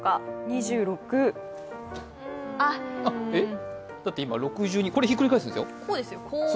２６？だって今６２、これひっくり返すんですよ？